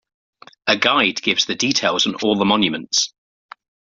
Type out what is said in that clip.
A guide gives the details on all the monuments.